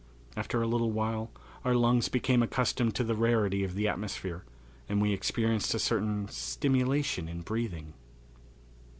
After a little while our lungs became accustomed to the rarity of the atmosphere and we experienced a certain stimulation in breathing.